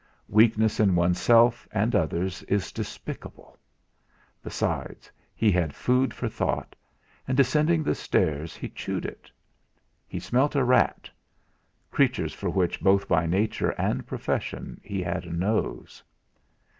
Weakness in oneself and others is despicable! Besides, he had food for thought, and descending the stairs he chewed it: He smelt a rat creatures for which both by nature and profession he had a nose.